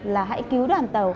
là hãy cứu đoàn tàu